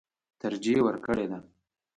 ترجېح ورکړې ده.